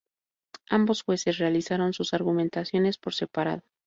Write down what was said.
Ambos jueces realizaron sus argumentaciones por separado.